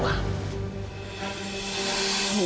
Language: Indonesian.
buang lah aja